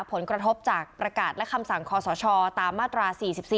ผลกระทบจากประกาศและคำสั่งคอสชตามมาตรา๔๔